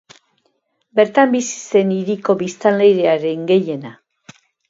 Bertan bizi zen hiriko biztanleriaren gehiena.